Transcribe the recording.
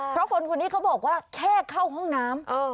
เพราะคนคนนี้เขาบอกว่าแค่เข้าห้องน้ำ